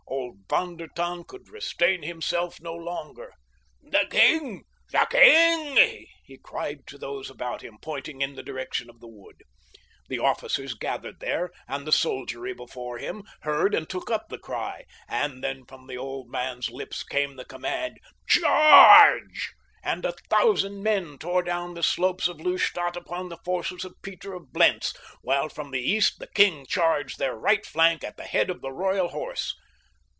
Old von der Tann could restrain himself no longer. "The king! The king!" he cried to those about him, pointing in the direction of the wood. The officers gathered there and the soldiery before him heard and took up the cry, and then from the old man's lips came the command, "Charge!" and a thousand men tore down the slopes of Lustadt upon the forces of Peter of Blentz, while from the east the king charged their right flank at the head of the Royal Horse.